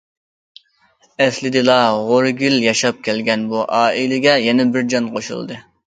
ئەسلىدىلا غورىگىل ياشاپ كەلگەن بۇ ئائىلىگە يەنە بىر جان قوشۇلدى.